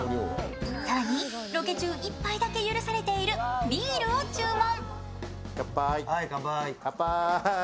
更にロケ中、１杯だけ許されているビールを注文。